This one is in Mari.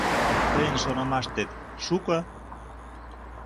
— Тыйын шонымаштет, шуко?